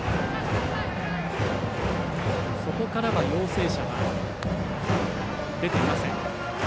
そこからは陽性者が出ていません。